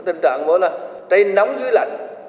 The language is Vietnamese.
tình trạng đó là trây nóng dưới lạnh